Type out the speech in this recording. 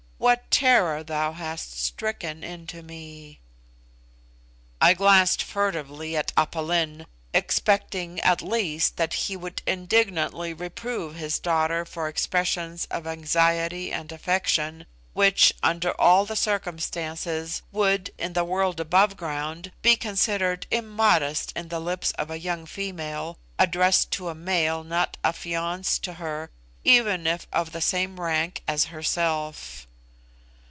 What terror thou hast stricken into me!" I glanced furtively at Aph Lin, expecting, at least, that he would indignantly reprove his daughter for expressions of anxiety and affection, which, under all the circumstances, would, in the world above ground, be considered immodest in the lips of a young female, addressed to a male not affianced to her, even if of the same rank as herself.